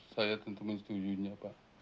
saya tentu menstujunya pak